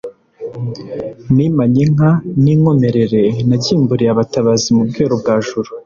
nimanye inka n’inkomere nagimbuliye abatabazi mu Bweru bwa Juru